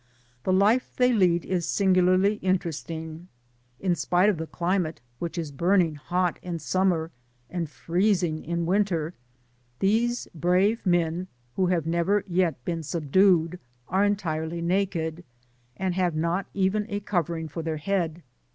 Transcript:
The life they lead is sin , gularly interesting. In spite of the climate, which is burning hot in sunmier, and freezing in winter, these brave men, who have never yet been subdued, are eiitirely naked, and have not even a covering for their head.